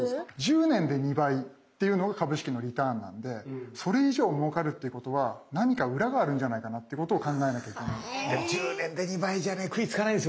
１０年で２倍っていうのが株式のリターンなんでそれ以上もうかるっていうことは何か裏があるんじゃないかなっていうことを考えなきゃいけない。